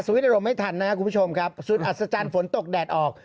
อารมณ์ไม่ทันนะครับคุณผู้ชมครับสุดอัศจรรย์ฝนตกแดดออก